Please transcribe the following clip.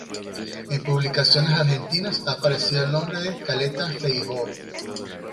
En publicaciones argentinas ha aparecido el nombre de caleta Feijoo.